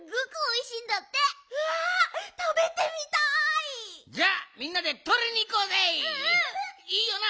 いいよな？